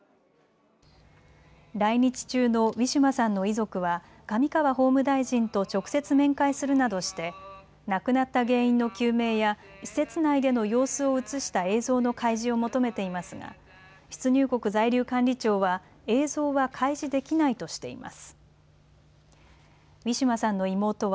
来日中のウィシュマさんの遺族は上川法務大臣と直接面会するなどして亡くなった原因の究明や施設内での様子を映した映像の開示を求めていますが出入国在留管理庁は映像は開示できないとしています。